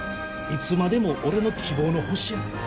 いつまでも俺の希望の星やで。